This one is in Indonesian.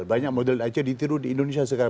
banyak model aja ditiru di indonesia sekarang